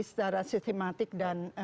setara sistematik dan